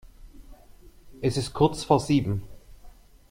Es ist kurz vor sieben.